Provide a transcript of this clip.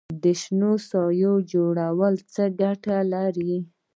د شنو ساحو جوړول څه ګټه لري؟